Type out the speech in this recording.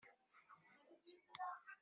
Tellamt tleddyemt.